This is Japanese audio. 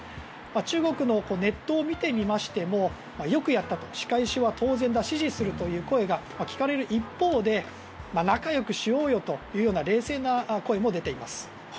中国のネットを見てみましてもよくやったと仕返しは当然だ、支持するという声が聞かれる一方で仲よくしようよというような冷静な声も出ています。